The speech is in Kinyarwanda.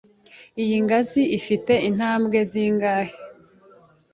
Iyi ngazi ifite intambwe zingahe?